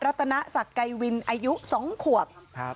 ัตนศักดิ์ไกรวินอายุ๒ขวบ